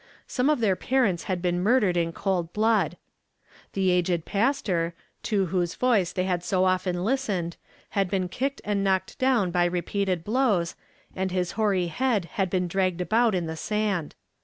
Some of their parents had been murdered in cold blood. The aged pastor, to whose voice they had so often listened, had been kicked and knocked down by repeated blows, and his hoary head had been dragged about in the sand.